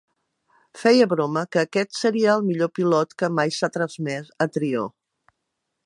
Feia broma que aquest seria el millor pilot que mai s'ha transmès a Trio.